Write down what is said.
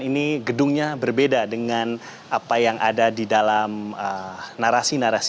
ini gedungnya berbeda dengan apa yang ada di dalam narasi narasi